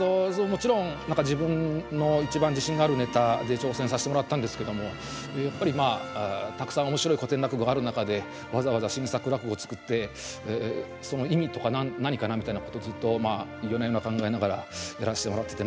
もちろん自分の一番自信があるネタで挑戦させてもらったんですけどもやっぱりまあたくさん面白い古典落語ある中でわざわざ新作落語作ってその意味とか何かなみたいなことずっと夜な夜な考えながらやらしてもらってて。